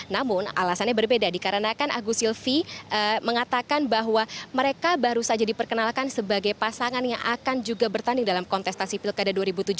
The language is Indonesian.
namun alasannya berbeda dikarenakan agus silvi mengatakan bahwa mereka baru saja diperkenalkan sebagai pasangan yang akan juga bertanding dalam kontestasi pilkada dua ribu tujuh belas